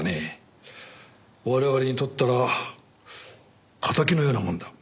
我々にとったら敵のようなもんだ。